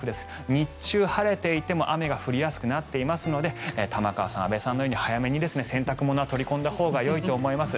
日中晴れていても雨が降りやすくなっていますので玉川さん、安部さんのように早めに洗濯物は取り込んだほうがいいと思います。